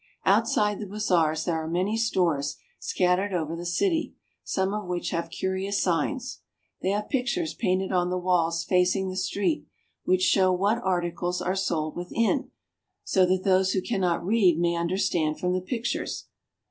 Outside the bazaars there are many stores scattered over the city, some of which have curious signs. They have pictures painted on the walls facing the street, which show what articles are sold within, so that those who can not read may understand from the pictures.